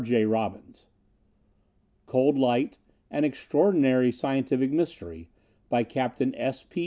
J. ROBBINS COLD LIGHT An Extraordinary Scientific Mystery By CAPT. S. P.